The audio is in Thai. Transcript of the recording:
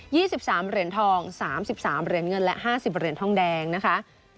๒๓เหรียญทอง๓๓เหรียญเงินและ๕๐เหรียญทองแดงนะคะ